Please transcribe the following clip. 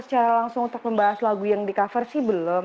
secara langsung untuk membahas lagu yang di cover sih belum